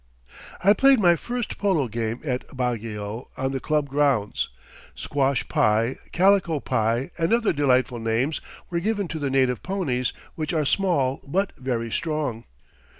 I played my first polo game at Baguio on the club grounds. Squash Pie, Calico Pie and other delightful names were given to the native ponies, which are small but very strong.